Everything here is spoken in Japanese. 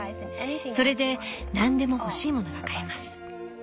それでなんでも欲しいものが買えます。